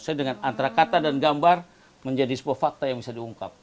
saya dengan antrakata dan gambar menjadi sebuah fakta yang bisa diungkap